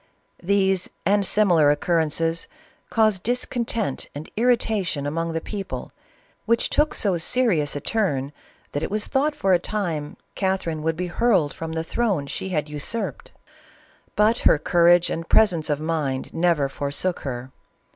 These and similar oc currences caused discontent and irritation among the people, which took so serious a turn, that it was thought for a time Catherine would be hurled from the throve she had usurped j, but her courage and presence of mind never forsook her.